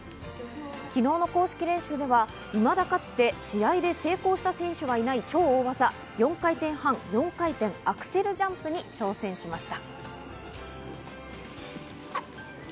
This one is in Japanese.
昨日の公式練習では、いまだかつて試合で成功した選手はいない超大技、４回転半、４回転アクセルジャンプに挑戦しました。